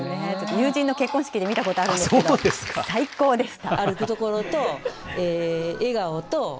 友人の結婚式で見たことあるんですけど、最高でした。